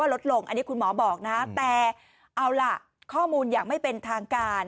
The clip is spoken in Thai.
ลดลงอันนี้คุณหมอบอกนะแต่เอาล่ะข้อมูลอย่างไม่เป็นทางการ